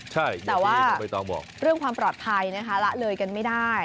ใช่แต่ว่าเรื่องความปลอดภัยนะคะละเลยกันไม่ได้